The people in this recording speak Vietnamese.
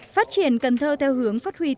phát triển cần thơ theo hướng phát huy tổ chức